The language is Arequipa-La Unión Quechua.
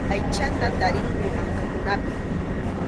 Aychata tarinku mankakunapi.